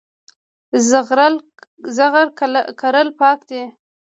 زغر کرل پکار دي.